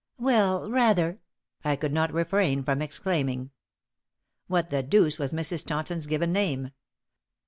"Well, rather!" I could not refrain from exclaiming. What the deuce was Mrs. Taunton's given name?